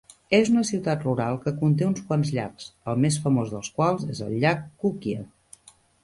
És una ciutat rural que conté uns quants llacs, el més famós dels quals és el llac Kukkia.